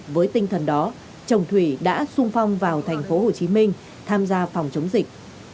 với tinh thần đó chồng thủy đã sung phong vào thành phố hồ chí minh tham gia phòng chống dịch